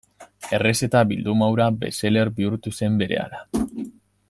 Errezeta bilduma hura best-seller bihurtu zen berehala.